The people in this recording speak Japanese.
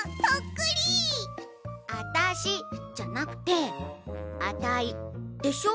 「あたし」じゃなくて「アタイ」でしょ。